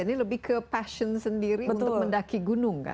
ini lebih ke passion sendiri untuk mendaki gunung kan